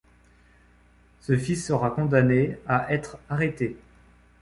Ce fils sera condamné à être arrêté.